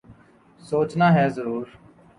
سوچنا ہے ضرور ۔